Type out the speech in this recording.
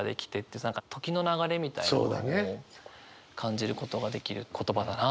何か時の流れみたいなのを感じることができる言葉だなと思いました。